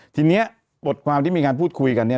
ทีนี้บทความที่มีงานพูดคุยกัน